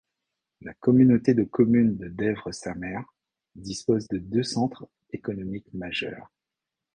La Communauté de Communes de Desvres - Samer dispose de deux centres économiques majeurs.